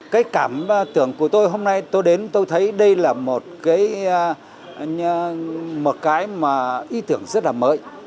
cái cảm tưởng của tôi hôm nay tôi đến tôi thấy đây là một cái mà ý tưởng rất là mới